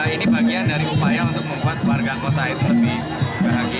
ini bagian dari upaya untuk membuat warga kota itu lebih bahagia